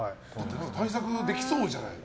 対策できそうじゃない？